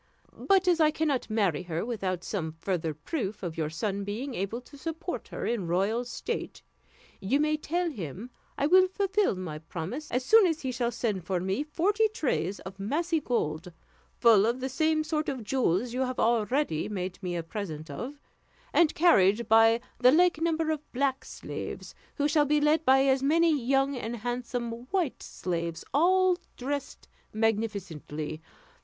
But as I cannot marry her without some further proof of your son being able to support her in royal state, you may tell him I will fulfill my promise as soon as he shall send me forty trays of massy gold, full of the same sort of jewels you have already made me a present of, and carried by the like number of black slaves, who shall be led by as many young and handsome white slaves, all dressed magnificently.